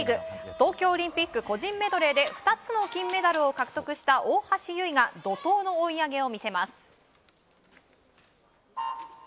東京オリンピック個人メドレーで２つの金メダルを獲得した大橋悠依が怒とうの追い上げを見せます。